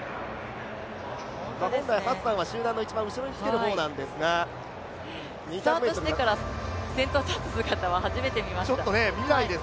本来、ハッサンは集団の後ろの方につく方なんですがスタートしてから先頭に立つ姿は初めて見ました。